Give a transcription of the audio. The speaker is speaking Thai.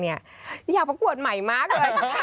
อยากประกวดใหม่มากเลย